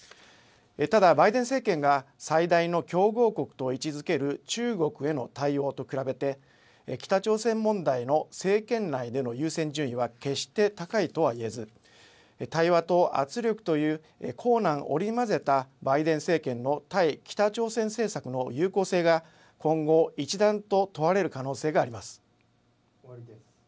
ただバイデン政権が最大の競合国と位置づける中国への対応と比べ北朝鮮問題の政権内での優先順位は決して高いとはいえず対話と圧力という硬軟織り交ぜたバイデン政権の対北朝鮮政策の有効性が今後一段と問われる可能性があります。